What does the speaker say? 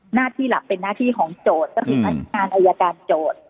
หน้าที่หลักเป็นหน้าที่ของโจทย์ก็คือพนักงานอายการโจทย์